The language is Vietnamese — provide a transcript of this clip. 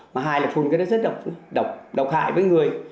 mà hai là phun cái đó rất độc độc hại với người